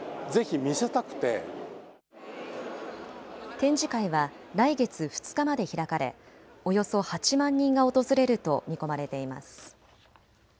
展示会は来月２日まで開かれおよそ８万人が訪れると見込まれています。